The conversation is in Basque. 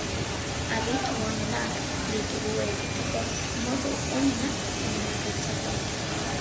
Aditu onenak ditugu egiteko modu onena zein den pentsatzen.